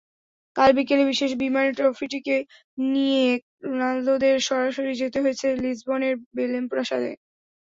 কাল বিকেলে বিশেষ বিমানে ট্রফিটিকে নিয়ে রোনালদোদের সরাসরি যেতে হয়েছে লিসবনের বেলেম প্রাসাদে।